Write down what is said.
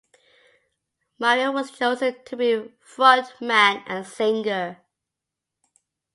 Marriott was chosen to be the frontman and singer.